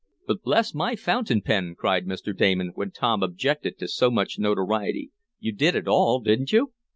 "But bless my fountain pen!" cried Mr. Damon, when Tom objected to so much notoriety. "You did it all; didn't you?"